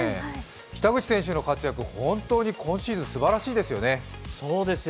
北口選手の活躍、本当に今シーズンすばらしいですよね。